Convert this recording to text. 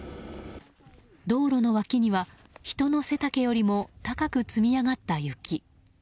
道路の脇には人の背丈よりも高く積み上がった雪。